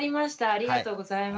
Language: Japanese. ありがとうございます。